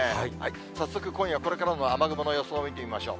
早速今夜、これからの雨雲の予想を見てみましょう。